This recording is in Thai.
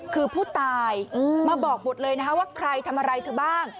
คือผู้ตายมาบอกบุตรเลยนะคะว่าใครทำอะไรเธอบ้าง